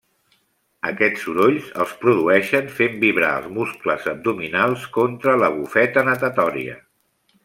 Aquests sorolls els produeixen fent vibrar els muscles abdominals contra la bufeta natatòria.